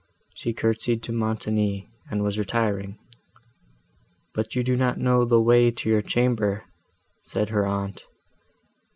She curtsied to Montoni, and was retiring; "But you do not know the way to your chamber," said her aunt.